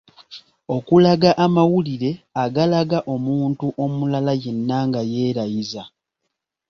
Okulaga amawulire agalaga omuntu omulala yenna nga yeerayiza